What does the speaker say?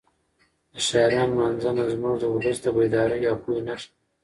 د شاعرانو لمانځنه زموږ د ولس د بیدارۍ او پوهې نښه ده.